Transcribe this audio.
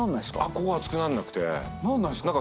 ここ熱くなんなくて。